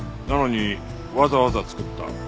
なのにわざわざ作った。